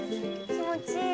気持ちいい。